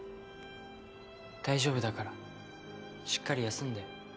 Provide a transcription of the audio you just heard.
大丈夫だからしっかり休んで。